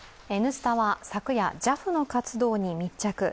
「Ｎスタ」は昨夜ＪＡＦの活動に密着。